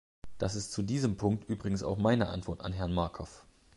Das ist zu diesem Punkt übrigens auch meine Antwort an Herrn Markov.